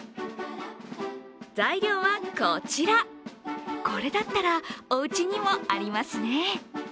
材料はこちら、これだったらおうちにもありますね。